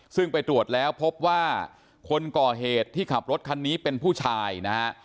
ซึ่งไปตรวจแล้วพบว่าคนก่อเหตุที่ขับรถคันนี้เป็นผู้ชายนะฮะ